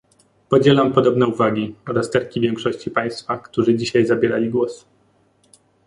Podzielam podobne uwagi, rozterki większości Państwa, którzy dzisiaj zabierali głos